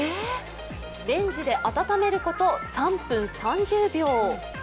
レンジで温めること３分３０秒。